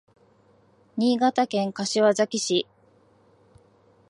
新潟県柏崎市